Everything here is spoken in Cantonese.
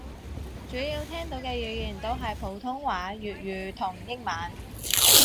主要聽到嘅語言都係普通話粵語同英文